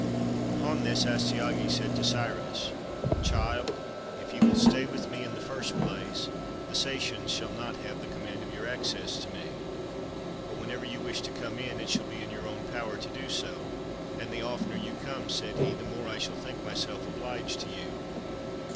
Upon this, Astyages said to Cyrus: —" Child, if you will stay with me, in the first place, the Sacian shall not have the command of your access to 299 PERSIA me; but, whenever you wish to come in, it shall be in your own power to do so; and the oftener you come," said he, " the more I shall think myself obUged to you.